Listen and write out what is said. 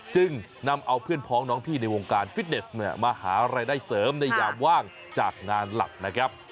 จึงนำเอาเพื่อนพ้องน้องพี่ในวงการฟิตเนสมาหารายได้เสริมในยามว่างจากงานหลักนะครับ